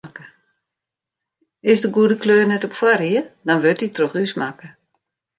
Is de goede kleur net op foarried, dan wurdt dy troch ús makke.